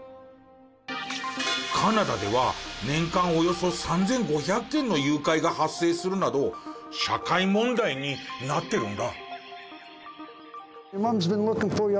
カナダでは年間およそ３５００件の誘拐が発生するなど社会問題になってるんだ。